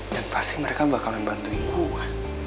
dan pasti mereka bakalan bantuin gua